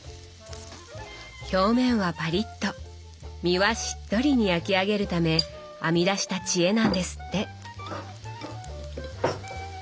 表面はパリッと身はしっとりに焼き上げるため編み出した知恵なんですって。